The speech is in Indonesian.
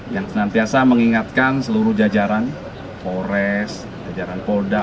yang senantiasa mengingatkan seluruh jajaran polres jajaran polda